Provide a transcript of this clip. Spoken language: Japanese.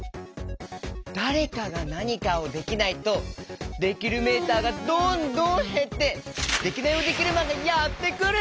だれかがなにかをできないとできるメーターがどんどんへってデキナイヲデキルマンがやってくる！